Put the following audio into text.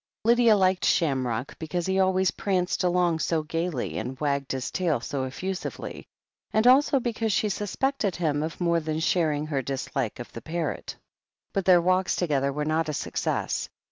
Lydia liked Shamrock because he alwa3rs pranced along so gaily, and wagged his tail so effusively, and also because she suspected him of more than sharing her dislike of the parrot. But their walks together were not a success.